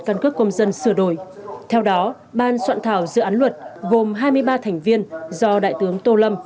căn cước công dân sửa đổi theo đó ban soạn thảo dự án luật gồm hai mươi ba thành viên do đại tướng tô lâm